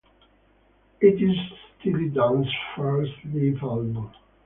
It is Steely Dan's first live album.